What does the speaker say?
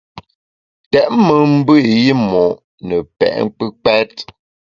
Tèt me mbe i yimo’ ne pe’ kpùkpèt.